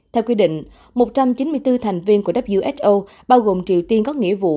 theo quy định một trăm chín mươi bốn thành viên của who bao gồm triều tiên có nghĩa vụ